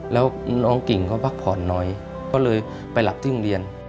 แล้วน้องกิ่งเขาพักผ่อนน้อยก็เลยไปหลับที่โรงเรียน